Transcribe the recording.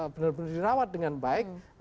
benar benar dirawat dengan baik